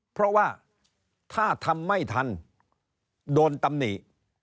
เพราะว่าถ้าทำไม่ทันโดนตำหนิ